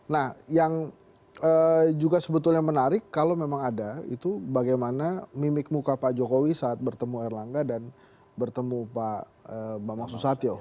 nah yang juga sebetulnya menarik kalau memang ada itu bagaimana mimik muka pak jokowi saat bertemu erlangga dan bertemu pak bambang susatyo